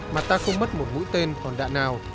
mà ta không mất một mũi tên còn đạn nào